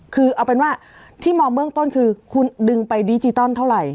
คือเอาเป็นว่าที่มองเบื้องต้นคือคุณดึงไปดิจิตอลเท่าไหร่